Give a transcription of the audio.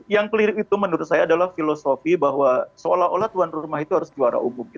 yang keliru itu menurut saya adalah filosofi bahwa seolah olah tuan rumah itu harus juara umum